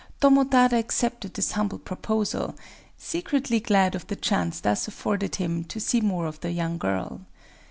Tomotada accepted this humble proposal,—secretly glad of the chance thus afforded him to see more of the young girl.